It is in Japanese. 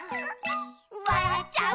「わらっちゃう」